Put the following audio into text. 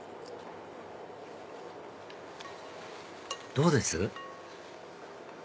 どうです？